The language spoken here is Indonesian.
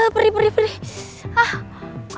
perih perih perih